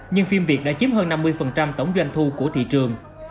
nhưng phim việt đã chiếm hơn năm mươi tổng doanh thu của thị trường